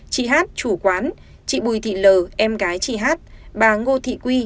chị hát chủ quán chị bùi thị l em gái chị hát bà ngô thị quy